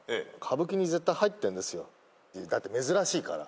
だって珍しいから。